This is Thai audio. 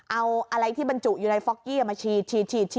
เอาอะไรที่บรรจุอยู่ในฟอกกี้มาฉีด